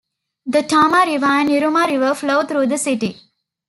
The Tama River and Iruma River flow through the city.